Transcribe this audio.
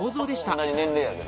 同じ年齢やけど。